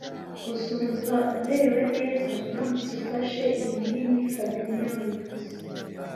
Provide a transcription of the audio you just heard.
Uzumva umerewe neza uramutse ufashe ibinini fabien niwe wabivuze